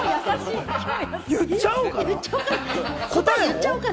答え言っちゃおうかな。